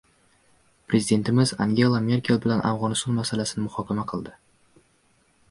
Prezidentimiz Angela Merkel bilan Afg‘oniston masalasini muhokama qildi